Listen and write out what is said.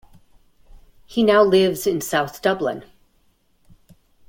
He now lives in south Dublin.